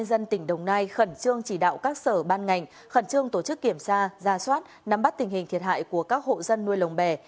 dân tỉnh đồng nai khẩn trương chỉ đạo các sở ban ngành khẩn trương tổ chức kiểm tra ra soát nắm bắt tình hình thiệt hại của các hộ dân nuôi lồng bè